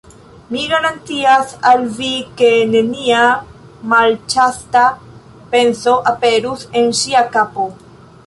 Mi garantias al vi, ke nenia malĉasta penso aperus en ŝia kapo...